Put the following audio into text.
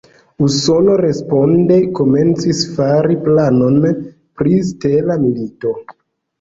Usono responde komencis fari planon pri "stela milito".